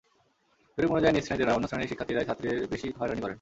জরিপ অনুযায়ী, নিজ শ্রেণীর নয়, অন্য শ্রেণীর শিক্ষার্থীরাই ছাত্রীদের বেশি হয়রানি করেন।